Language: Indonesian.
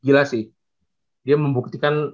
gila sih dia membuktikan